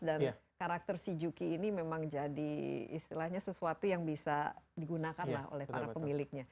dan karakter si juki ini memang jadi istilahnya sesuatu yang bisa digunakan lah oleh para pemiliknya